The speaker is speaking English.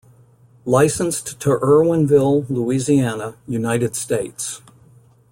Licensed to Erwinville, Louisiana, United States.